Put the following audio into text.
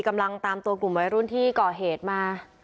กำลังตามตัวกลุ่มวัยรุ่นที่ก่อเหตุมา